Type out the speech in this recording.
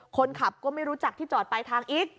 คนขับก็ไม่รู้จักที่จอดปลายทางอีก